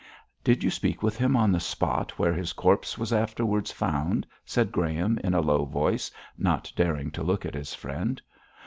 'Did you speak with him on the spot where his corpse was afterwards found?' asked Graham, in a low voice, not daring to look at his friend.